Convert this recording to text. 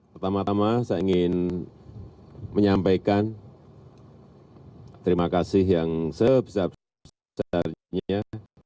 pertama tama saya ingin menyampaikan terima kasih yang sebesar besarnya